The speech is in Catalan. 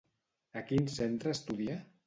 A quin centre estudià?